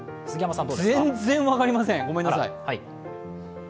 全然分かりません、ごめんなさい。